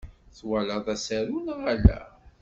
Twalaḍ asaru neɣ ala?